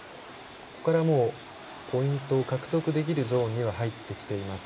もうポイントを獲得できるゾーンには入ってきています。